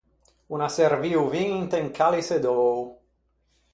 O n’à servio o vin inte un caliçe d’öo.